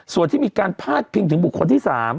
ส่วนที่มีการพาดพิงถึงบุคคลที่๓